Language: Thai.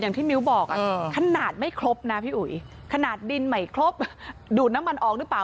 แต่ยังถ้ามิวบอกขนาดไม่ครบนะพี่อุ๋ยขนาดดินไม่ครบดูดน้ำมันออกได้เปล่า